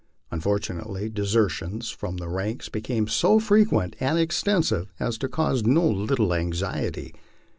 Unfortunately, desertions from the ranks became so frequent and extensive as to cause no little anxiety.